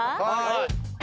はい。